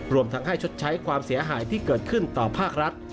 รวมทั้งให้ชดใช้ความเสียหายที่เกิดขึ้นต่อภาครัฐ